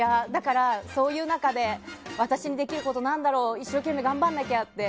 そういう中で私にできること何だろう一生懸命頑張らなきゃって。